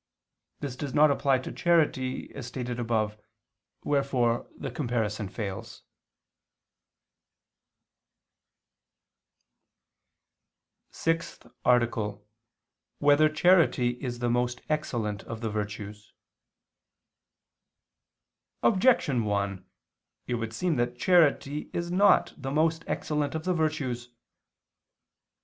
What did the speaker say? This does not apply to charity, as stated above: wherefore the comparison fails. _______________________ SIXTH ARTICLE [II II, Q. 23, Art. 6] Whether Charity Is the Most Excellent of the Virtues? Objection 1: It would seem that charity is not the most excellent of the virtues.